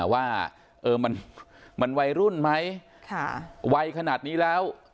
อ่าว่าเออมันมันวัยรุ่นไหมค่ะวัยขนาดนี้แล้ว